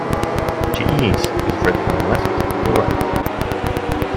Ge'ez is read from left to right.